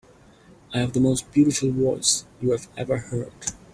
I have the most beautiful voice you have ever heard.